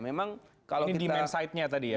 ini dimensidenya tadi ya